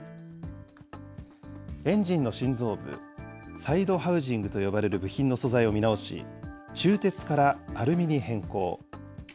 エンジンの心臓部、サイドハウジングと呼ばれる部品の素材を見直し、鋳鉄からアルミに変更。